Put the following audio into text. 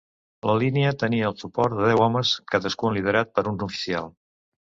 La línia tenia el suport de deu homes, cadascun liderat per un oficial.